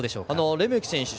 レメキ選手